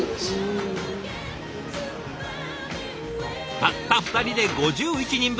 たった２人で５１人分。